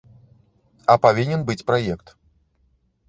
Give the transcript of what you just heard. А павінен быць праект.